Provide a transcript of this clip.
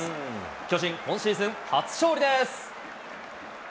巨人、今シーズン初勝利です。